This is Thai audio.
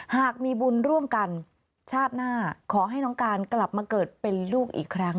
หากมีบุญร่วมกันชาติหน้าขอให้น้องการกลับมาเกิดเป็นลูกอีกครั้ง